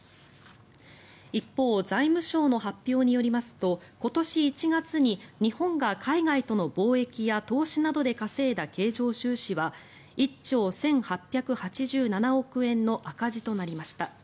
一方、財務省の発表によりますと今年１月に日本が海外との貿易や投資などで稼いだ経常収支は１兆１８８７億円の赤字となりました。